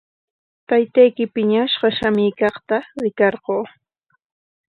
Taytayki piñashqa shamuykaqta rikarquu.